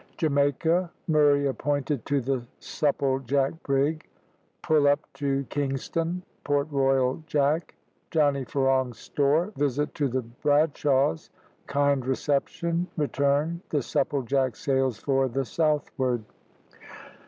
JAMAICA MURRAY APPOINTED TO THE SUPPLEJACK BRIG PULL UP TO KINGSTON PORT ROYAL JACK JOHNNY FERONG'S STORE VISIT TO THE BRADSHAWS KIND RECEPTION RETURN THE SUPPLEJACK SAILS FOR THE SOUTHWARD.